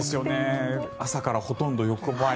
朝からほとんど横ばい。